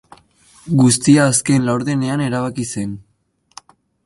Guztia azken laurdenean erabaki zen.